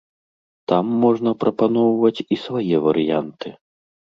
Там можна прапаноўваць і свае варыянты.